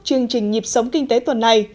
chương trình nhịp sống kinh tế tuần này